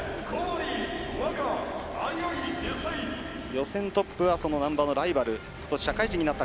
予選トップは難波のライバル小堀。